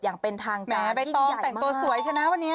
อย่างเป็นทางการยิ่งใหญ่มากค่ะแม่ไปต้องแต่งตัวสวยใช่ไหมวันนี้